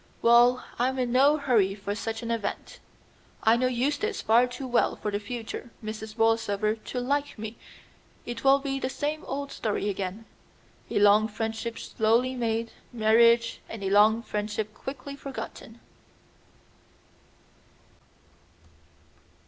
"Well, I'm in no hurry for such an event. I know Eustace far too well for the future Mrs. Borlsover to like me. It will be the same old story again: a long friendship slowly made marriage and a long friendship quickly forgotten."